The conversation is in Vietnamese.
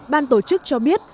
ban tổ chức cho biết